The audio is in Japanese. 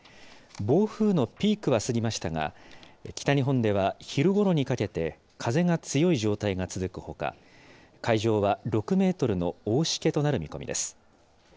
暴風のピークは過ぎましたが、北日本では昼ごろにかけて、風が強い状態が続くほか、海上は６メートルの大しけとなる見込みです。